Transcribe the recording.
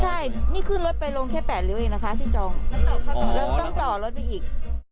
ใช่นี่ขึ้นรถไปลงแค่๘ริ้วเองนะคะที่จองแล้วต้องต่อรถไปอีก